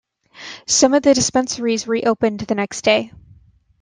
Some of the dispensaries reopened the next day.